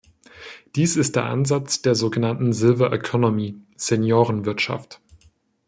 Dies ist der Ansatz der so genannten "Silver Economy" Seniorenwirtschaft.